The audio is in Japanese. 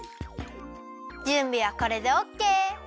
じゅんびはこれでオッケー！